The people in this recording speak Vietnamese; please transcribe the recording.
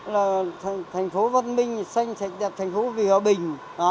là thành phố văn minh xanh sạch đẹp thành phố vì hòa bình